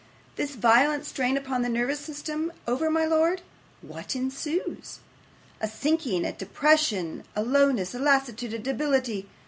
'This violent strain upon the nervous system over, my lord, what ensues? A sinking, a depression, a lowness, a lassitude, a debility.